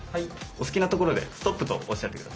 お好きなところで「ストップ」とおっしゃって下さい。